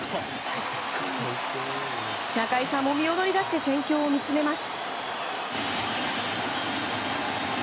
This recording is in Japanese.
中居さんも身を乗り出して戦況を見つめます。